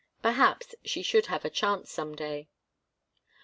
Perhaps she should have a chance some day.